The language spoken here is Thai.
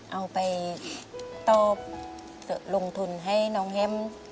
เอาไปตอบลงทุนให้น้องแฮม